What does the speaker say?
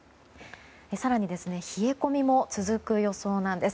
更に、冷え込みも続く予想なんです。